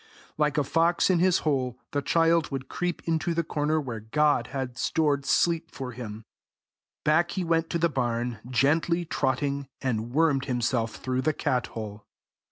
Like a fox into his hole, the child would creep into the corner where God had stored sleep for him: back he went to the barn, gently trotting, and wormed himself through the cat hole.